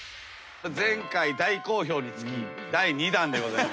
前回大好評につき第２弾でございます。